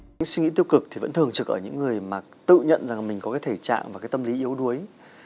những suy nghĩ tiêu cực thì vẫn thường trực ở những người mà tự nhận rằng là mình có cái thể trạng và cái tâm lý yếu đuối